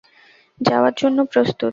যাওয়ার জন্য প্রস্তুত।